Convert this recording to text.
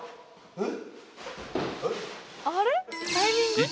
えっ？